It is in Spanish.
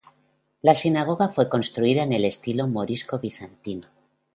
La sinagoga fue construida en el estilo morisco-bizantino.